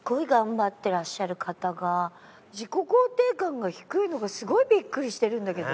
てらっしゃる方が自己肯定感が低いのがすごいビックリしてるんだけど。